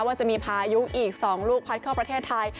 ว่าจะมีพายุอีก๒ลูกพัดเข้าประเทศไทย